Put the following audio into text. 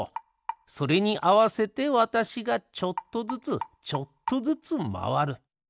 それにあわせてわたしがちょっとずつちょっとずつまわる。